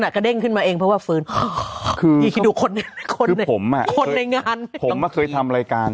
น่ะก็เด้งขึ้นมาเองเพราะว่าฟื้นคนในงานผมเคยทำรายการ